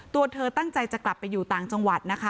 ตัวเธอตั้งใจจะกลับไปอยู่ต่างจังหวัดนะคะ